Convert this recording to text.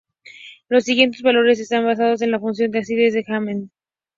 Los siguientes valores están basados en la función de acidez de Hammett.